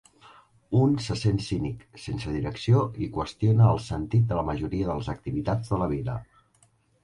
Un se sent cínic, sense direcció i qüestiona el sentit de la majoria de les activitats de la vida.